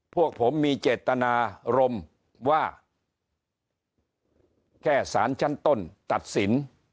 พวกผมมีเจตนารมณ์ว่าแค่สารชั้นต้นตัดสิน